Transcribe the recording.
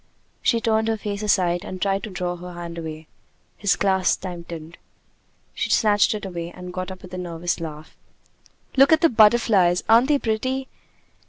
She turned her face aside and tried to draw her hand away. His clasp tightened. She snatched it away, and got up with a nervous laugh. "Look at the butterflies! Aren't they pretty?"